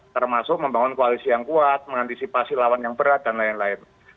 termasuk membangun koalisi yang kuat mengantisipasi lawan yang berat dan lain lain